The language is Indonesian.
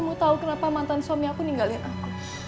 aku tau kenapa mantan suami aku ninggalin aku